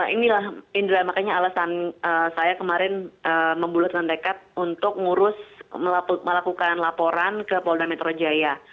inilah indra makanya alasan saya kemarin membulatkan dekat untuk ngurus melakukan laporan ke polda metro jaya